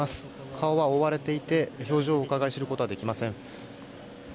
顔は覆われていて表情をうかがい知ることはできません。